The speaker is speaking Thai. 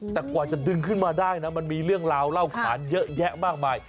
แต่กว่าจะดึงขึ้นมาได้นะมันมีเรื่องราวเล่าขานเยอะแยะมากมาย